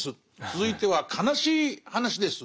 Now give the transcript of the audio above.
「続いては悲しい話です」。